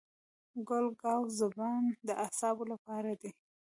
ګل ګاو زبان د اعصابو لپاره دی.